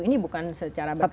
ini bukan secara berkesinambungan